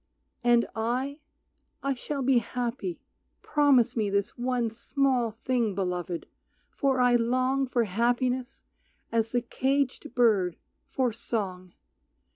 And I, I shall be happy, promise me This one small thing, Beloved, for I long For happiness as the caged bird for song.